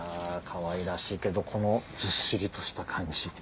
かわいらしいけどこのずっしりとした感じ。